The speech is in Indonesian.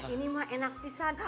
ini mah enak pisang